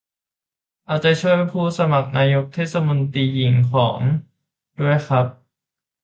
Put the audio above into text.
เอาใจช่วยผู้สมัครนายกเทศมนตรีหญิง ของ ด้วยครับ